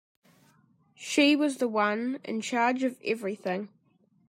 She was the one in charge of everything.